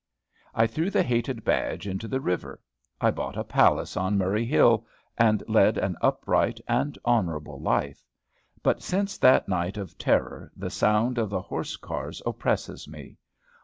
I threw the hated badge into the river. I bought a palace on Murray Hill, and led an upright and honorable life. But since that night of terror the sound of the horse cars oppresses me.